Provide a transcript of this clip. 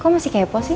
kau masih kepo sih